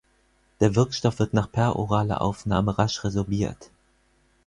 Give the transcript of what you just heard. Der Wirkstoff wird nach peroraler Aufnahme rasch resorbiert.